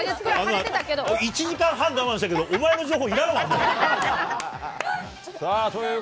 １時間半我慢したけど、お前の情報いらんわ、もう。